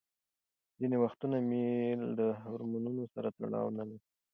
ځینې وختونه میل د هورمونونو سره تړاو نلري.